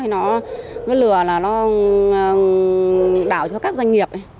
nó lừa là nó đảo cho các doanh nghiệp